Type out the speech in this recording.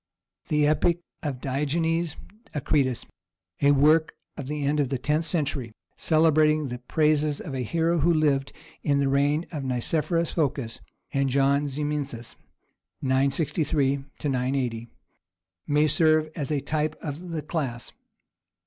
The epic of Digenes Akritas, a work of the end of the tenth century, celebrating the praises of a hero who lived in the reigns of Nicephorus Phocas and John Zimisces [963 80], may serve as a type of the class.